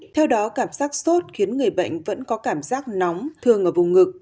theo đó cảm giác sốt khiến người bệnh vẫn có cảm giác nóng thường ở vùng ngực